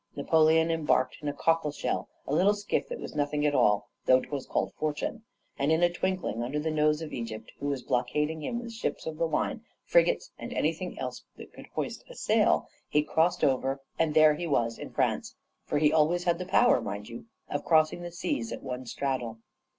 Napoleon embarked in a cockleshell, a little skiff that was nothing at all, though 'twas called 'Fortune;' and in a twinkling, under the nose of England, who was blockading him with ships of the line, frigates, and anything that could hoist a sail, he crossed over, and there he was in France. For he always had the power, mind you, of crossing the seas at one straddle.